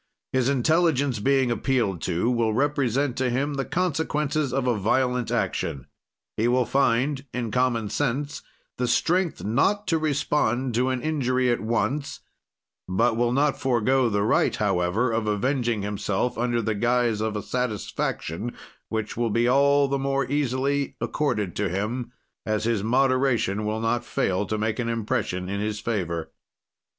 His intelligence, being appealed to, will represent to him the consequences of a violent action. "He will find, in common sense, the strength not to respond to an injury at once; but will not forego the right, however, of avenging himself under the guise of a satisfaction which will be all the more easily accorded to him as his moderation will not fail to make an impression in his favor."